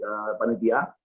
di catatan untuk panitia